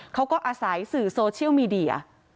เขาก็อาศัยสื่อโซเชียลมีเดีย